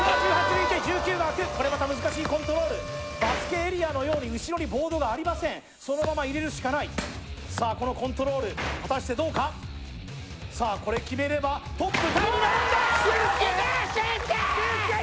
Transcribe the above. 抜いて１９が開くこれまた難しいコントロールバスケエリアのように後ろにボードがありませんそのまま入れるしかないさあこのコントロール果たしてどうかさあこれ決めればトップタイに並んだ！